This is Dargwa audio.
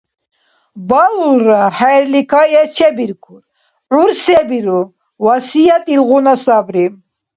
Балулра… ХӀерли кайэс чебиркур. ГӀур се биру, васият илгъуна сабри.